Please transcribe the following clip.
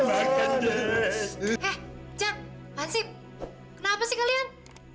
eh jang pansip kenapa sih kalian